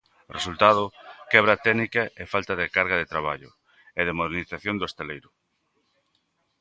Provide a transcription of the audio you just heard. Resultado: quebra técnica e falta de carga de traballo e de modernización do estaleiro.